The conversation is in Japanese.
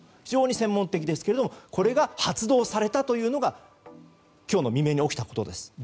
非常に専門的ですがこれが発動されたというのが今日の未明に起きたことです。